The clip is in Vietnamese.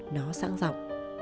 nó sang dọc